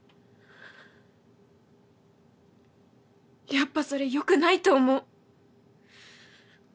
やっぱそれよくないと思う。